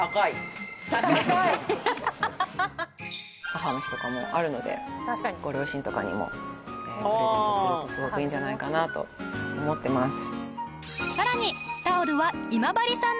母の日とかもあるのでご両親とかにもプレゼントするとすごくいいんじゃないかなと思ってます。